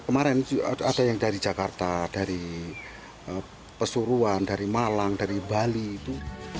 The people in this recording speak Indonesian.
kemarin ada yang dari jakarta dari pesuruan dari malang dari bali itu